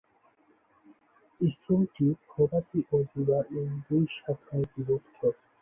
স্কুলটি প্রভাতী ও দিবা এই দুই শাখায় বিভক্ত।